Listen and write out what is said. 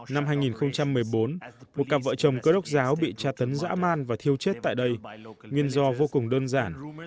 năm hai nghìn một mươi bốn một cặp vợ chồng cơ độc giáo bị tra tấn dã man và thiêu chết tại đây nguyên do vô cùng đơn giản